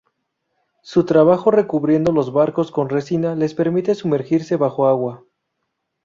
Su trabajo recubriendo los barcos con resina les permite sumergirse bajo agua.